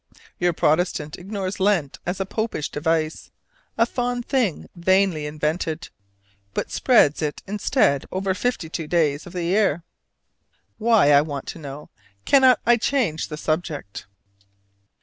Your Protestant ignores Lent as a Popish device, a fond thing vainly invented: but spreads it instead over fifty two days in the year. Why, I want to know, cannot I change the subject?